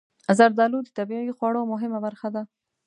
زردالو د طبعي خواړو مهمه برخه ده.